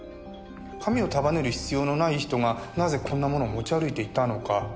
髪を束ねる必要のない人がなぜこんなものを持ち歩いていたのか。